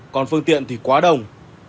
còn phương tiện thì quá đông